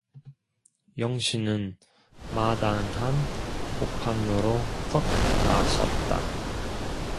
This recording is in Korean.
영신은 마당 한 복판으로 썩 나섰다.